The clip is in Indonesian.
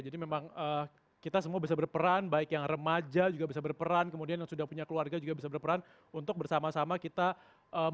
jadi memang kita semua bisa berperan baik yang remaja juga bisa berperan kemudian yang sudah punya keluarga juga bisa berperan untuk bersama sama kita menginformasikan